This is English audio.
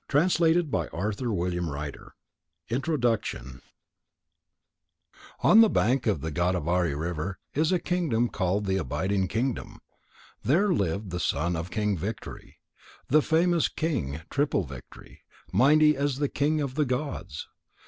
Conclusion TWENTY TWO GOBLINS INTRODUCTION On the bank of the Godavari River is a kingdom called the Abiding Kingdom. There lived the son of King Victory, the famous King Triple victory, mighty as the king of the gods.